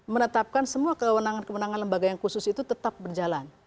menetapkan semua kewenangan kewenangan lembaga yang khusus itu tetap berjalan